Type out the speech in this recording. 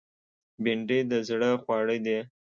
بېنډۍ د زړه خواړه دي